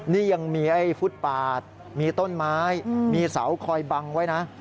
นี่ยังมีไอ้ฟุตปาดมีต้นไม้มีเสาคอยบังไว้นะ